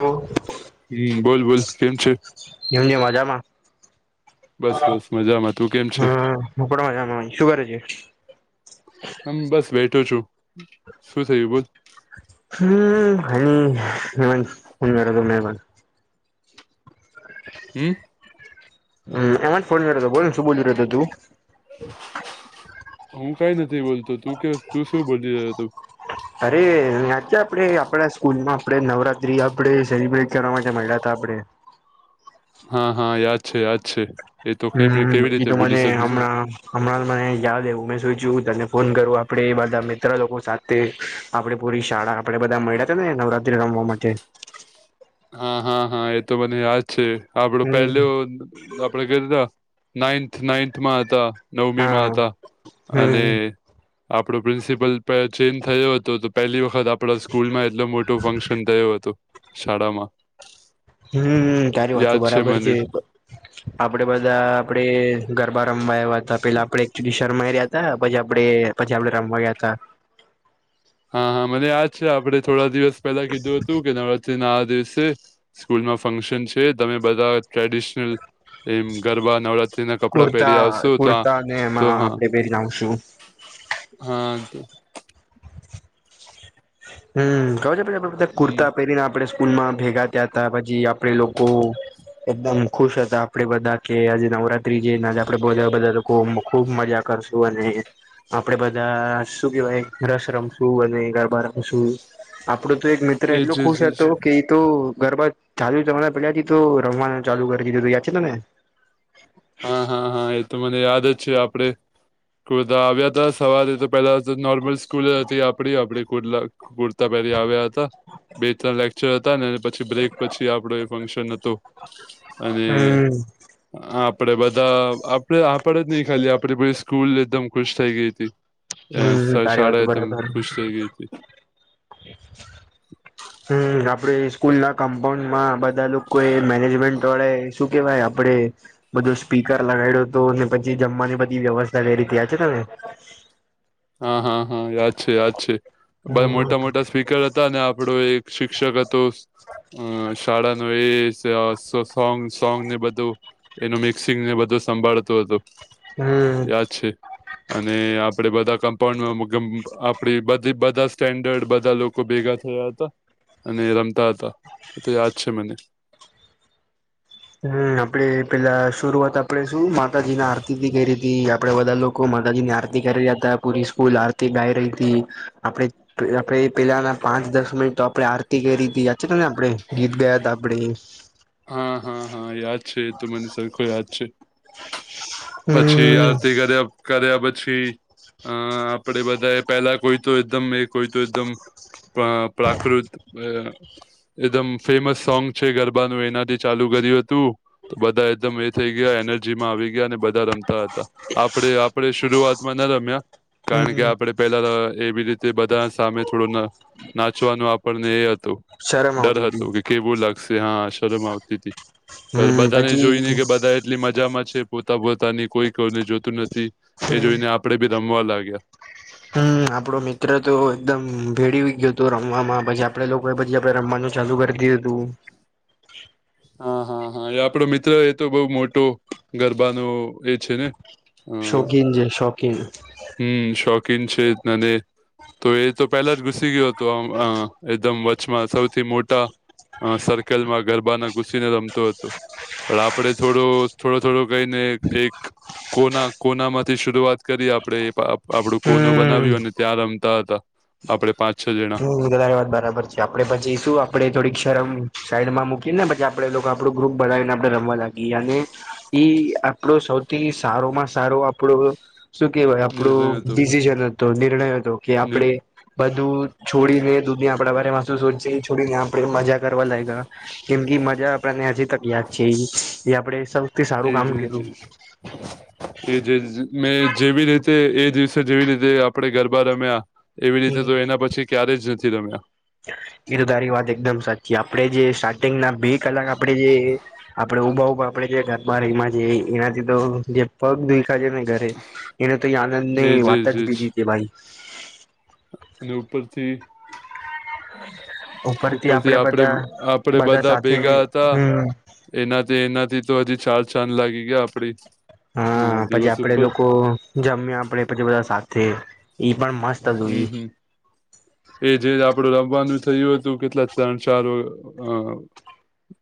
ઓ હમ્મ બોલ બોલ કેમ છે એમ જે મજામાં બસ બસ મજામાં તું કેમ છે હ પણ મજામા સુકરે છે હમ્મ બસ બેઠો છું શું થયું બોલ હમ્મ [unintelligible] [inaudible] [inaudible] હમ્મ એમાં જ ફોન કર્યો હતો બોલ ને શું બોલ્યું રહ્યોતો તું હું કઈ નથી બોલતો તું કે તું શું બોલી રહ્યો હતો અરે્યાં આપણે આપણા સ્કૂલમાં આપણેે નવરાત્રી આપણે સેલિબ્રેટ કરવા માટે મળ્યા ત આપણેે હા હા યાદ છે યાદ છે એ તો કેમ હમ્મ કેવી ઈ રીતે તો ભૂલી મને શકું છું હમણાં. હમણાં મને યાદ હું મે શઈ છું તને ફોન કરું આપડે બધા મિત્ર લોકો સાથે. તે આપડે પૂરી શાળા આપડે બધા મળ્યા હતા ને નવરાત્રી રમવા માટે. હા હા હા એ તો મને યાદ છે આપડો પહેલ. હમ આપડે કીધા નાઈન્થ નાઈન્થ માં હતા. નવમી હા મા હતા અને. હમ આપડો પ્રિન્સિપલ ચેન્જ થયો હતો તો પહેલી વખત આપણા સ્કૂલમાં. એટલ મોટો ફંક્શન થયું હતું શાળામાં. હમ તારી વાત યાદ બરાબર મને છે. આપડે બધા આપડે ગરબા રમવા આવ્યા હતા પેલા આપડે એક શરમાઈ રહ્યા હતા. પછજી આપડે પછા આપડે રમવા ગયા તા હા હા મને યાદ છે, આપણે થોડા દિવસ પેલા કીધું હતું કે નવરાત્રી ના આ દિવસે સ્કૂલમાં ફંક્શન છે, તમે બધા ટ્રેડિશનલ એમ ગરબા નવરાત્રી ના કપડા કુર્તા પહેરી આવશુ તો આ કુર્તા ને તો એમાં હા. આપડે પહેરી [inaudible] હા. હમ ક છે પછી આપડે બધા હમ કુર્તા પહેરીને આપડે સ્કૂલમાં ભેગા થ્યાં હતા પછી આપડે લોકો એકદમ ખુશ હતા આપડે બધા કે આજે નવરાત્રી જેનેજ આપડે બધા બધા લોકો. ખુબ મજા કરશું અને આપડે બધા શું કેવાય રસ રમ શું હ ગરબાર શું આપડો તો એક મિત્ર એટલો એજ એજ ખુશ એજ હતો કે તો ગરબા ચાલુ તમારા પેલાથી તો રમવાનું ચાલુ કરી દીધુ યાદ છેને, ને હા હા હા એ તો મને યાદ જ છે આપડે કુર્દ આવ્યા હતા સવારે તો પેલા તો નોર્મલ સ્કૂલ હતી આપડી આપડી કુર્લા પુરતા પહેલી આવ્યા હતા બે ત્રણ લેક્ચર હતા. પછી બ્રેક પછી આપડો એ ફંક્શન હતો અને હમ આપડે બધા આપડે આપડ જ નહ ખાલી આપણેે સ્કૂલ એકદમ ખુશ થઈ ગઈ હતી. એ હમ તારી વાત સાળા એ તમ બરાબર ખુશ થઈ ગઈ છે. હમ આપડે સ્કૂલ ના કમ્પાઉન્ડ માં બધા લોકો એ મેનેજમેન્ટ વળે શું કેહેવાય આપણે. બધો સ્પીકર લગાડ્યો હતો ને પછી જમવાની બધી વ્યવસ્થા કઈ રીતે આ છે તમે. હા હા હા યાદ છે યાદ છેાઈ મોટા મોટા સ્પીકર હતા ને આપડો એક શિક્ષક તો અ શાળા ન એ સોંગ સોંગ ને બધુ એનું મિક્સિંગ ને બધું સંભાળતું હતુ હમ યાદ છે અને આપડે બધા કમ્પાઉન્ડમાં આપડી બધા સ્ટેન્ડર્ડ બધા લોકો ભેગા થયા હતા. અને રમતા હતા એ તો યાદ છે, મને હમ આપે પેલા શરૂઆત આપણેે શું માતાજી ના આરતી કરી ર હતી આપડે બધા લોકો લોકો માતાજી ની આરતી કરી રહ્યા હતા પૂરી સ્કૂલ આરતી ગાઈ રહી, હતી આપણે આપે પેલાના પાંચ દસ મિનિટ તો આપડે આરતી કરી હતી યાચ ને આપડણે ગીત ગાયા ત આપડે હા હા હા યાદ છે, એ તો મને સરખો યાદ છે. પછી હમ આરતી કર કર્યા પછી અ આપડે બધા પેલા કોઈ તો એકદમ એ કોઈ તો એકદમ અ પ્રાકૃત અ એકદમ ફેમસ સોંગ છે, ગરબાનું એનાથી ચાલુ કર્યું હતુ તો બધા એકદમ એ થઈ, ગયા એનર્જી માં આવી ગયા અને બા રમતા હતા આપડ આપણે શરૂઆતમાં ના રમ્ય કારણ કે હમ આપે પેલા એવી રીતે બધા સામે થોડું નાચવાનું આપણને એ હત તો શરમ ડર આવતી હતી હતો કે કેવું લાગશે હા શરમ આવતી હતી. પણ હમ બધાને પછી જોઈને કે બધા એટલી મજામાં છે. પોતા પોતાની કોઈ કોને જોતું નથી એ હમ જોઈને આપડે બી રમવા લાગ્યા હમ આપડો મિત્ર તો એકદમ ભેળ ગયો હતો રમવામાં પછી આપડે પછી આપડે રમવાનું ચાલુ કરતી હતુ હા હા હા એ આપડો મિત્ર એ તો બહ મોટો ગરબાનો એ છેને હમ શોખીન છે શોખીન હમ શોખીન છે અનેને તો એ તો પહેલા જ ઘુસી ગયો હતોમ એકદમ કચમાં સૌથી મોટા સર્કલમાં ગરબાના ઘુસીને રમતું હતુ પણ આપડ થોડો થોડો થોડો કઈને એક કોના કોના માંથી શરૂઆત કરી આપડે આપડું કોનું હમ બનાવ્યું અને ત્યાં રમતા હતા આપડે પાંચ છ. જણા -રે વાત બરાબર છે. આપડેી શું આપડે થોડીક શરમ સાઈડમાં મૂકીને પછી આપ આપણો ગ્રુપ બનાવીને આપડે રમવા લાગીએ અને ઈ આપડો સૌથી સારો માં સારો અપડ શું કેહેવાય નિર્ણય આપણું હતો ડિસિઝન હતો નિર્ણય હતો કે આપડે બધું છોડીને દૂધી આપડા બ મસૂસ હોય છે. છોડીને આપડે મજા કરવા લાગ કેમ કે મજા આપને હજી તક યાદ છે. એ આપડે સૌથી સારું કામ કર્યું એ જે મેં જેવી રીતે એ દિવસે જેવી રીતે આપણે ગરબા રમ્યા એવી રીતે તો એના પછી ક્યારેય જ નથી તમે એતો તારી વાત એકદમ સાચી આપડે જે સાચી ના બે કલાક આપે જે આપણેે ઉભા ઉભ આપડે બારીક માં છે. એનાથી તો જે પગ દુઈખા છે. ને એને તો આનંદ ની એજ વાત એજ જ એજ બીધી છે. ભાઈ અને ઉપરથી ઉપરથી આપડે આપડે બધા ભેગા હતા હમ એનાથી એનાથી તો હજી ચાલ છાન લાગી ગયા આપડી અ હા પછી દિવસ આપડે ઉપર લોકો જમ્યા આપડે પછી બધા સાથે ઈ પણ મસ્ત હતું હમ ઈ હમ એ જે આપડું રમવાનું થયું હતું કેટલા ત્રણ સારો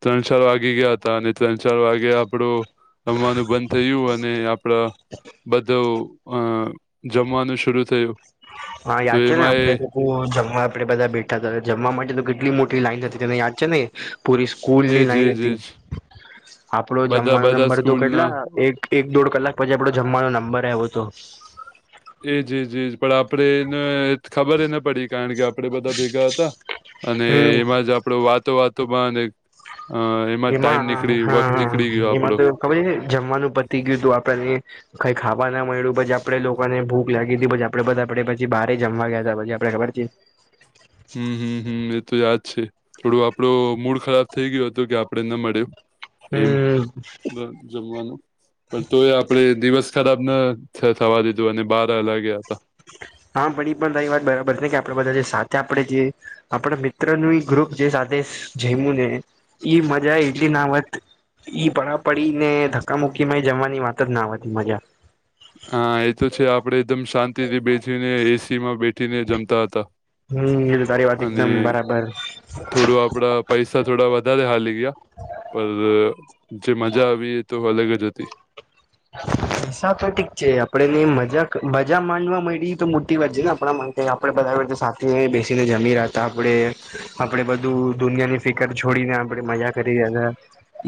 ત્રણ ચાર વાગી ગયા હતા અને ત્રણ ચાર વાગે આપડું રમવાનું બંધ થયું અને આપડ બધું અ જમવાનું શરૂુ થયું હા તો યાદ છે. ને એમાં આપડે એ લોકો જમવા આપડે બધા બેઠા હતા જમવા માટે તો કેટલી મોટી લાઈન હતી તેને યાદ છે. ને પૂરી એ સ્કૂલની જે લઈ જે લતી આપડો બધા જમવાનો બધા નંબર તો સ્કૂલ ના કેટલા એક એક દોઢ કલાક પછી આપડો જમવાનો નંબર આવો હતો એ જી જી પણ આપે એને ખબરને પડી કારણ કે આપડે બધા ભેગા હતા અને હમ એમાં જ આપડો વાતો વાતો પણ અને અ એમાં ટાઈમ નીકળી ગ વત હા નીકળી ગયો એમાં આપડો તો ખબર જમવાનું પતિ ગયું હતું આપણને કઈ ખાવા ના મળ્યું પછી આપડે લોકોને ભૂખ લાગી હતી પછી આપડે બધા આપે પછી બહારે જમવા ગયા હતા પછી આપણે ખબરતી હમ હમ હમ એ તો યાદ છે થોડું આપડો મૂડ ખરાબ થઈ ગયો હતો કે આપડે ન મળ્યું એમ હમ જમવાનું પણ તોય આપડે દિવસ ખરાબ ના થવા દીધું અને બાર અલા ગ્યા હતા હા પણ એ પણ ત વાત બરાબર છે. કે આપડે બધા જે સા આપડે જે આપણા મિત્ર ન ગ્રુપ જે સાથે જેમું ને ઈ મજા એટલી ના વત ઈ પડાા પડી ને ધક્ક મુુકી એ જમવાની વાત જ ના હોતી મજા હા એ તો છે. આપડે એકદમ શાંતિથી બેસીીને એસી માં બેઠીને જમતા હતા હમ એ તારી વાત અને એકદમ બરાબર. થોડું આપડા પૈસા થોડા વધારે હાલી ગયા. પર જે મજા આવી એ તો અલગ જ હતી. પૈસા તો ઠીક છે આપડે ને મજાક- મજા માંડવા મળી તો મોટી વાત છે ને આપણા માટે આપણે બધાએ જે સાથે બેસીને જમી રહ્યા હતા આપણેે- આપડે બધું દુનિયા ની ફિકર છોડીને આપડે મજા કરી રહ્યા હતા.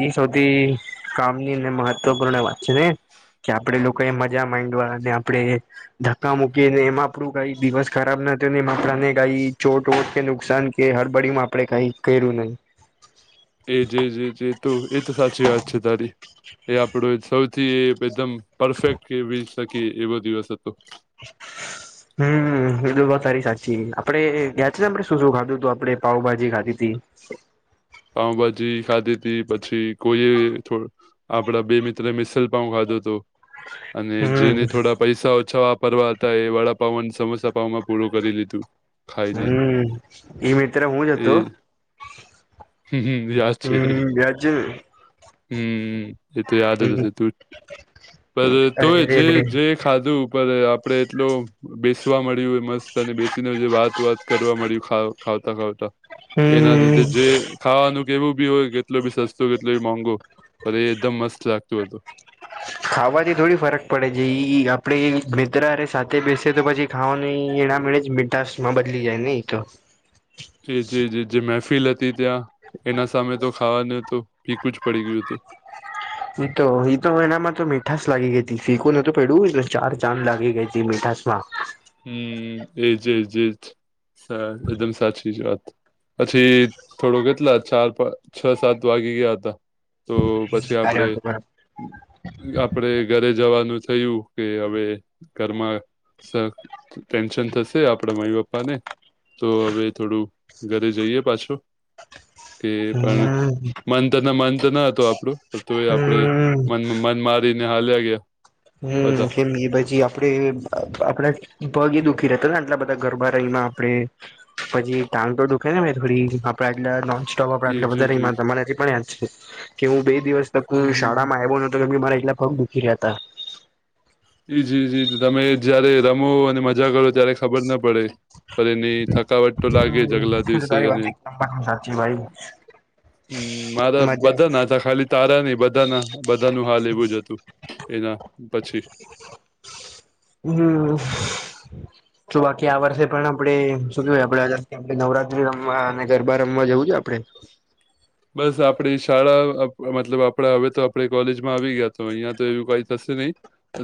એ સૌથી કામની અને મહત્વપૂર્ણ વાત- છે ને કે આપડે લોકો એ મજા માંડવા અને આપણેે [unintelligible] ધક્કા મૂકીને એમાં આપડું કઈ દિવસ ખરાબ ના થું ને એમાં આપડાને કઈ ચોટવોટ કે નુકસાન. કે હળબડીમાં આપણેે કઈ કર્યું નહી. એ જે જે જે તો એ તો સાચી વાત છે તારી એ આપડું સૌથી એકદમ. [unintelligible] પરફેક્ટ કેવી શકીયે એવો દિવસ હતો. [inaudible] હમ એ તારી સાચી આપડે યાદ છે ને આપડે શું શું ખાધું તું આપડે પાાવભાજી ખાધી. હતી [inaudible] [unintelligible] પાઉભાજી ખાધી હતી પછી કોઈએ થોડું. આપડા બે મિત્ર એ મિસલ પાઉ ખાધું હતું અને હમ જેને થોડા પૈસા ઓછા આપ.. પરવાર્તા એ વડાપાવન અને સમોસા પાવમાં પૂરું કરી લીધું. ખાઈને હમ ઈ મિત્ર હું જ હતો. એ યાદ છે હમ યાદ છે [inaudible] [inaudible] [unintelligible] હમ એ તો યાદ જ હમ હશે તું પણ અરે તોય રે જેજે [unintelligible] ખાધું પર આપડે એટલ બેસવા મળ્યું. મસ્ત અને બેસીને જે વાત વાત કરવા મળી ખાવતા ખાવતા એના હમ લીધેજ. જે ખાવાનું કેવું બી હોય કેટલુ બી સસ્તો કેટલુ બી મોંઘો પણ એ એકદમ મસ્ત લાગતું હતું. [inaudible] ખાવાથી થોડી ફરક પડે છે એ આપણે મિત્ર સાથે બેસે તો પછી ખાવાનું નહીં એનામણે જ મ [unintelligible] તાસમાં બદલી જાય ને એતો [unintelligible] કે જે જે જે મહેફિલ હતી ત્યાં એના સામે તો ખાવાનું તો ફીકુ જ પડી ગયું હતું. એ તો ઈ તો એનામાં તો મીઠાાસ લાગી ગઈ હતી ફીકું નોતુ પેડવું. ચાર ચાદ લાગી ગઈ હતી મીઠાસ માં. હમ એજજજ એકદમ સાચી જ વાત [unintelligible] પછી થોડો કેટલા ચાર પા છ સાત વાગી ગયા હતા. [unintelligible] તો પછી આપડે. આપડે ઘરે જવાનું થયું કે હવે ઘરમાં સ.. ટેન્શન થશે આપડા મમ્મી પપ્પા ને. તો હવે થોડું ઘરે જઈએ પાછું. કે હમ પણ મન ત મન તો ન હત આપણો તો એ આપડે હમ [unintelligible] મનમાં મન માારીનેહાલ્યા ગયા. હમ બધા કેમ એ પછી આપડે આપડા પગ એ દુઃખી રહેતા ને આટલા બધા ગરબા રયમાં આપડે. પછી ટાંગ તો દુખે ને મે થોડી આપડા એટલા નૉન.. તોય આપણે આટલા એજ બધા એજ રમ્યા એજ હતા મને હજી પણ યાદ છે કે હું બે દિવસ તક હમ હમ હમ. શાળામાં આવ્યો ન. તો બી મારા એટલા પગ દૂકી રહ્યા હતા. એ જી જી તમે જયારે રમો અને મજા કરો ત્યારે ખબર ના પડે [unintelligible] પણ એની થકાવટ. તો લાગે જ અગલા હ દિવસે તારી વાત અને છે સાચી ભાઈ [inaudible] હમ મારા મજા બધા ના હતા ખાલી તારા નહિ બધા ના બધા ના હાલ એવું જ હતું. એના પછી હમ તો બાકી આ વર્ષે પણ આપડે શું કેવાય આપડે. કે નવરાત્રી રમવા અને ગરબા રમવા જેવું છે આપડે? બસ. આપણે શાળા મતલબ આપણા હવે તો આપણે કોલેજમાં આવી ગયા તો, અહીિયાયા તો એવું કઈ થશે નહી.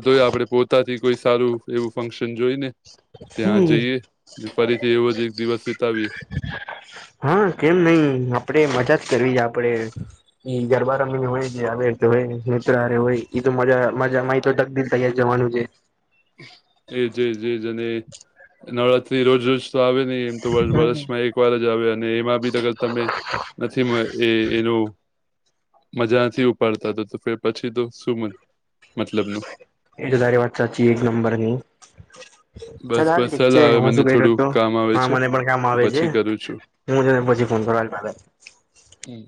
તોય આપડે પોતાથી કોઈ સારું એવું ફંક્શન જોઈ ને. ત્યાં હમ જઈએ. ફરીથી એવો જ એક દિવસ વિતાવીએ. હા! કેમ નહીં. આપણેે મજા જ કરવી છે આપડે. [unintelligible] તક દલ તૈયાર જવાનુંજ છે. એજ એજ એજ. અને, નવરાત્રી રોજ રોજ તો આવે નહી. એમ તો હમ વરસમાં એક. ર જ આવે અને એમાં બીર તમે નથી એ એનું. મજાથી ઉપાડતા તો. તો પછી તો શું મ મતલબ નુ. એ સુધારે વાટસાચ એક નંબર ની. બસ ચાલ, હાલ બસ ઠીક છે. સલાહ આવે હું મને શું કર્યો થોડું હતો? કામ આવે હા, છે મને પણ કામ હું આવે છે. પછી કરું છું. હું જો પછી ફોન કરલી. હમ!